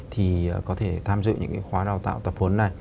thì có thể tham dự những cái khóa đào tạo tập huấn này